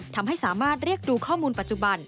ทำให้สามารถเรียกดูข้อมูลปัจจุบัน